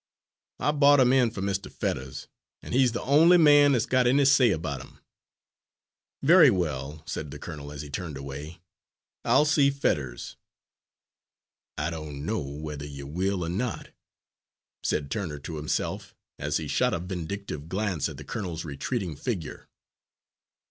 I bought 'im in for Mr. Fetters, an' he's the only man that's got any say about 'im." "Very well," said the colonel as he turned away, "I'll see Fetters." "I don't know whether you will or not," said Turner to himself, as he shot a vindictive glance at the colonel's retreating figure.